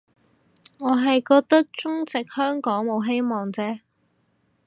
我係覺得中殖香港冇希望啫